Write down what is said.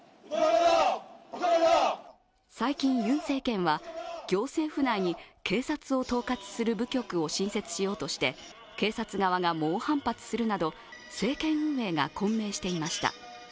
最近、ユン政権は行政府内に警察を統括する部局を新設しようとして警察側が猛反発するなど、政権運営が混迷していました。